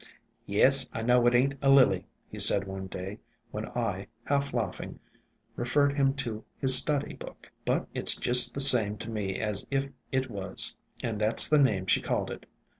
"Yes, I know it ain't a Lily," he said one day 112 IN SILENT WOODS when I, half laughing, referred him to his " study book." "But it 's just the same to me as if it was, and that 's the name she called it.